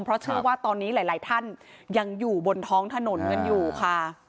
เพราะเชื่อว่าตอนนี้หลายท่านยังอยู่บนท้องถนนกันอยู่ค่ะ